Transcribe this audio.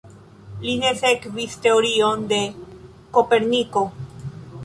Li ne sekvis teorion de Koperniko.